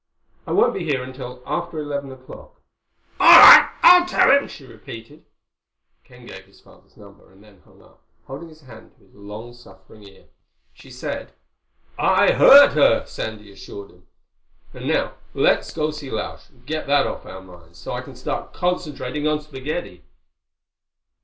"I won't be here until after eleven o'clock." "All right. I'll tell him," she repeated. Ken gave her his father's number and then hung up, holding his hand to his long suffering ear. "She said—" "I heard her," Sandy assured him. "And now let's go see Lausch and get that off our minds, so I can start concentrating on spaghetti."